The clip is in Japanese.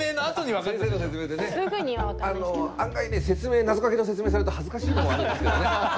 案外ねなぞかけの説明されると恥ずかしいものがあるんですけどね。